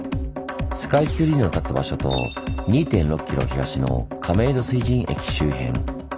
スカイツリーの立つ場所と２．６ｋｍ東の亀戸水神駅周辺。